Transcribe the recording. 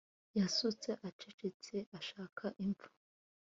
yasutse acecetse, ashaka imva